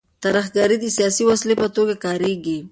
ترهګري د سیاسي وسیلې په توګه کارېږي.